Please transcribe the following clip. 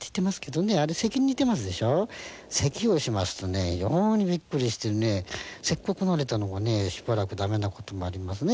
せきをしますと非常にびっくりしてせっかくなれたのがしばらく駄目なこともありますね。